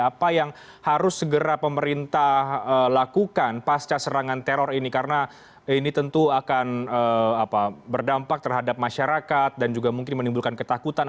apa yang harus segera pemerintah lakukan pasca serangan teror ini karena ini tentu akan berdampak terhadap masyarakat dan juga mungkin menimbulkan ketakutan